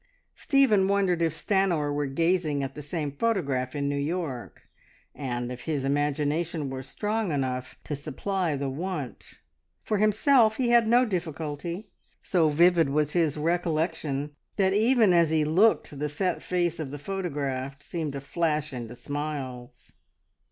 Stephen wondered if Stanor were gazing at the same photograph in New York, and if his imagination were strong enough to supply the want. For himself he had no difficulty. So vivid was his recollection that even as he looked the set face of the photograph seemed to flash into smiles...